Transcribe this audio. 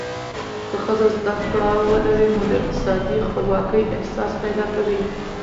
که ښځه زده کړه ولري، نو د اقتصادي خپلواکۍ احساس پیدا کوي.